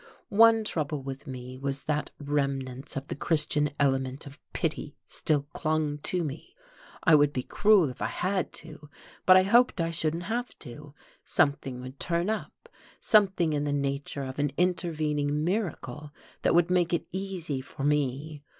One trouble with me was that remnants of the Christian element of pity still clung to me. I would be cruel if I had to, but I hoped I shouldn't have to: something would turn up, something in the nature of an intervening miracle that would make it easy for me.